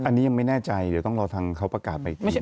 อันนี้ยังไม่แน่ใจเดี๋ยวต้องรอทางเขาประกาศไปอีกที